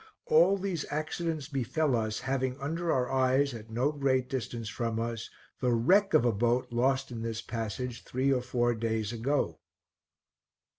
All these accidents befell us, having under our eyes, at no great distance from us, the wreck of a boat lost in this passage three or four days ago.